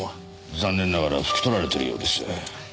残念ながら拭き取られているようです。